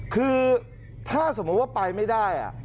คือถ้าสมมุติว่าไปไม่ได้